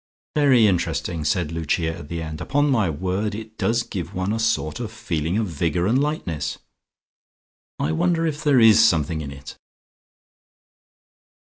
"Very interesting," said Lucia at the end. "Upon my word, it does give one a sort of feeling of vigour and lightness. I wonder if there is something in it."